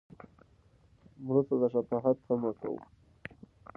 مړه ته د شفاعت تمه کوو